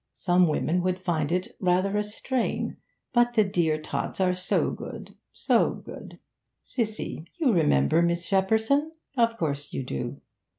Some women would find it rather a strain, but the dear tots are so good so good! Cissy, you remember Miss Shepperson? Of course you do.